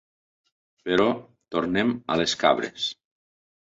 Però tornem a les cabres.